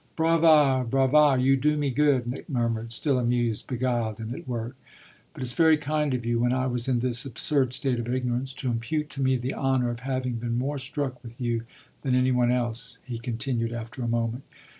"Brava, brava! you do me good," Nick murmured, still amused, beguiled, and at work. "But it's very kind of you, when I was in this absurd state of ignorance, to impute to me the honour of having been more struck with you than any one else," he continued after a moment.